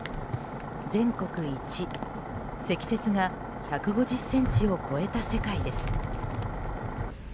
全国一、積雪が１５０ｃｍを超えた世界です。